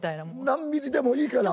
何ミリでもいいから。